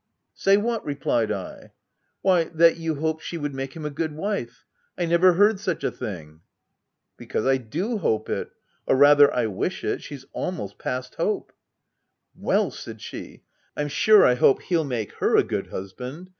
" Say what ?" replied I. " Why, that you hoped she would make him a good wife — I never heard such a thing !" u Because, I do hope it— or rather, I wish it — she's almost past hope." "Well!" said she, " I'm sure I hope he'll make her a good husband.